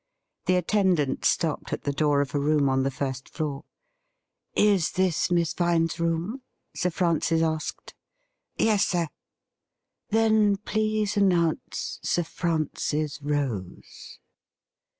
The attendant stopped at the door of a room on the first floor. ' Is this Miss Vine's room ?'' Sir Fi'ancis asked. ' Yes, sir.' ' Then, please announce Sir Francis Rose.'